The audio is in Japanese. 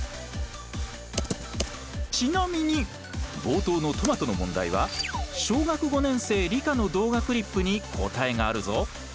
ちなみに冒頭のトマトの問題は小学５年生理科の動画クリップに答えがあるぞ。